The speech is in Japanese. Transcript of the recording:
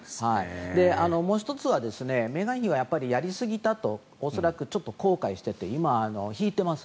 もう１つはメーガン妃はやりすぎたと恐らく後悔していて今、引いています。